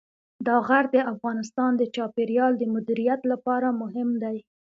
دا غر د افغانستان د چاپیریال د مدیریت لپاره مهم دی.